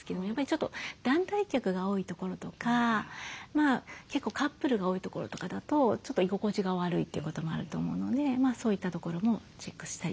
ちょっと団体客が多いところとか結構カップルが多いところとかだとちょっと居心地が悪いってこともあると思うのでそういったところもチェックしたりとか。